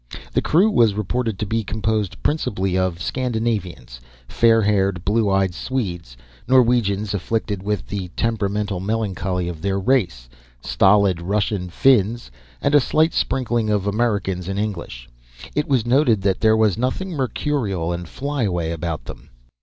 The crew was reported to be composed principally of Scandinavians fair haired, blue eyed Swedes, Norwegians afflicted with the temperamental melancholy of their race, stolid Russian Finns, and a slight sprinkling of Americans and English. It was noted that there was nothing mercurial and flyaway about them.